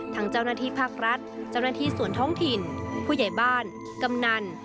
ทั้งเจ้าหน้าที่ภาครัฐเจ้าหน้าที่ส่วนท้องถิ่นผู้ใหญ่บ้านกำนัน